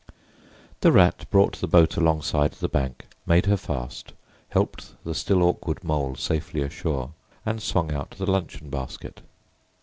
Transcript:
The Rat brought the boat alongside the bank, made her fast, helped the still awkward Mole safely ashore, and swung out the luncheon basket.